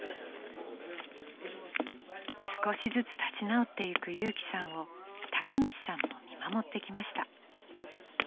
［少しずつ立ち直ってゆく勇輝さんを孝道さんも見守ってきました］